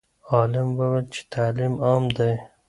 عالم وویل چې تعلیم عام دی.